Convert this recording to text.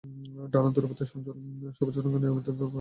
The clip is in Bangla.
ডানার দূরবর্তী অঞ্চলে সবুজ রঙের অনিয়মিত পটি আছে।